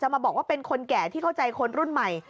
มาบอกว่าเป็นคนแก่ที่เข้าใจคนรุ่นใหม่